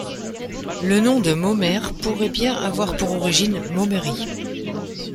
Le nom de Momères pourrait bien avoir pour origine Momerie.